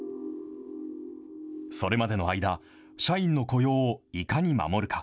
それまでの間、社員の雇用をいかに守るか。